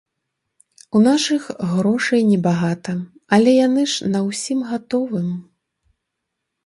У нашых грошай небагата, але яны ж на ўсім гатовым.